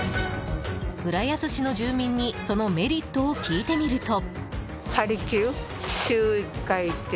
浦安市の住民にそのメリットを聞いてみると。